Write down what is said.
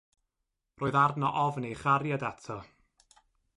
Roedd arno ofn ei chariad ato.